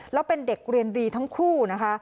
แล้วเป็นเด็กเรียนดีทั้งคู่นะคะ